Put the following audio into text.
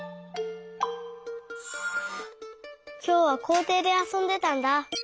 きょうはこうていであそんでたんだ。